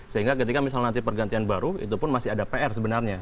sehingga ketika misalnya nanti pergantian baru itu pun masih ada pr sebenarnya